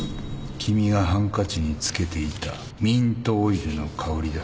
君がハンカチに付けていたミントオイルの香りだ。